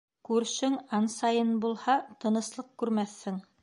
Күршең ансайын булһа, тыныслыҡ күрмәҫһең.